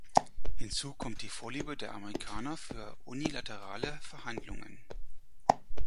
Hinzu kommt die Vorliebe der Amerikaner für unilaterale Verhandlungen.